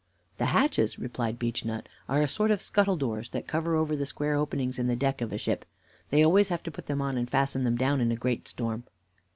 "The hatches," replied Beechnut, "are a sort of scuttle doors that cover over the square openings in the deck of a ship. They always have to put them on and fasten them down in a great storm."